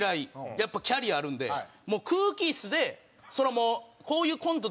やっぱキャリアあるんでもう空気イスで「もうこういうコントですよ」